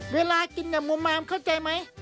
เวลากินอย่างมุมมามเข้าใจไหม